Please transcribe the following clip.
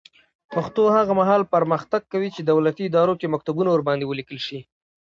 پښتو هغه مهال پرمختګ کوي چې دولتي ادارو کې مکتوبونه ورباندې ولیکل شي.